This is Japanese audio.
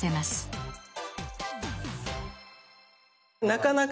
なかなかね